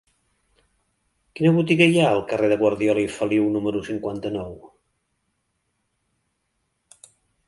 Quina botiga hi ha al carrer de Guardiola i Feliu número cinquanta-nou?